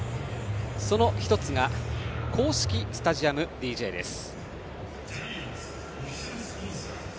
その１つが公式スタジアムＤＪです。